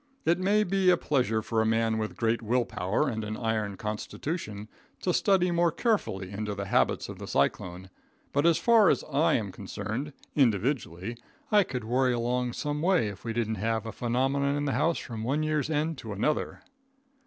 It may be a pleasure for a man with great will power and an iron constitution to study more carefully into the habits of the cyclone, but as far as I am concerned, individually, I could worry along some way if we didn't have a phenomenon in the house from one year's end to another.